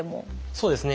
そうですね。